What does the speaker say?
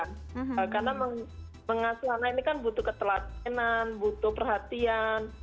karena pengasuhan anak ini kan butuh ketelatenan butuh perhatian